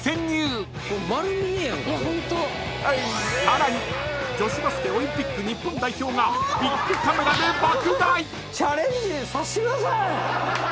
［さらに女子バスケオリンピック日本代表がビックカメラで爆買い！］